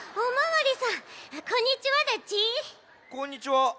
こんにちは。